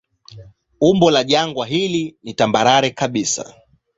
Umbo la jangwa hili ni tambarare kabisa.